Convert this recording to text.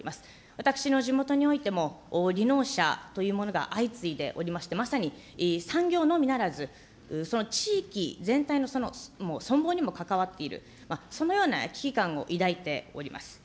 私の地元においても、離農者というものが相次いでおりまして、まさに産業のみならず、その地域全体の存亡にもかかわっている、そのような危機感を抱いております。